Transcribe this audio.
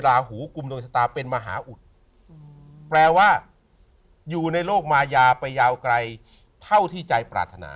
ลาหูกลุ่มดวงชะตาเป็นมหาอุดแปลว่าอยู่ในโลกมายาไปยาวไกลเท่าที่ใจปรารถนา